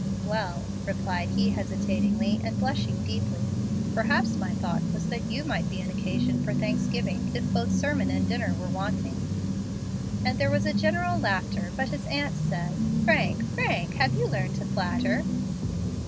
"Well," replied he, hesitatingly, and blushing deeply, "perhaps my thought was that you might be an occasion for Thanksgiving if both sermon and dinner were wanting." Again there was a general laugh, but his aunt said, "Frank, Frank, have you learned to flatter?"